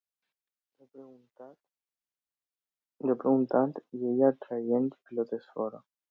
Jo preguntant i ella traient pilotes fora.